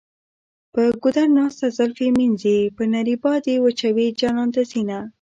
په ګودر ناسته زلفې مینځي په نري باد یې وچوي جانان ته ځینه.